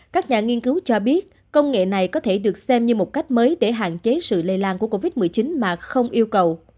các nhà nghiên cứu cho biết công nghệ này có thể được xem như một cách mới để hạn chế sự lây lan của covid một mươi chín mà không yêu cầu